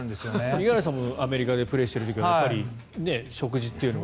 五十嵐さんもアメリカでプレーしている時食事というのは。